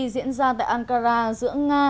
diễn ra tại ankara giữa nga